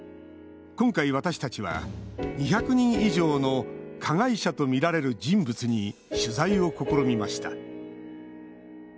今回、私たちは２００人以上の加害者とみられる人物に取材を試みました。